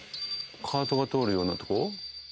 カートが通るようなとこ？